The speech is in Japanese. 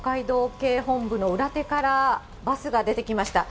警本部の裏手から、バスが出てきました。